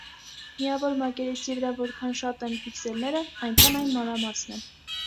Միավոր մակերեսի վրա որքան շատ են փիքսելները, այնքան այն մանրամասն է։